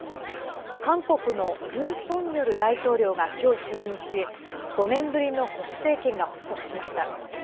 韓国のユン・ソンニョル大統領がきょう就任し５年ぶりの保守政権が発足しました。